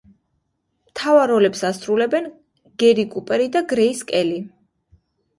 მთავარ როლებს ასრულებენ გერი კუპერი და გრეის კელი.